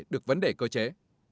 để cơ chế